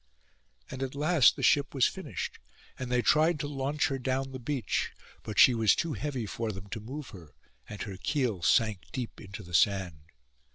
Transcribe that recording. And at last the ship was finished, and they tried to launch her down the beach; but she was too heavy for them to move her, and her keel sank deep into the sand.